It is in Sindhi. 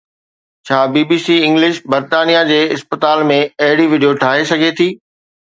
ڇا بي بي سي انگلش برطانيه جي اسپتال ۾ اهڙي وڊيو ٺاهي سگهي ٿي؟